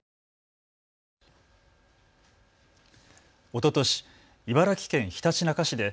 おととし、茨城県ひたちなか市で